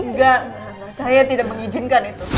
enggak saya tidak mengizinkan itu